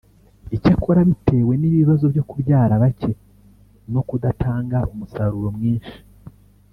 Icyakora bitewe n’ibibazo byo kubyara bake no kudatanga umusaruro mwinshi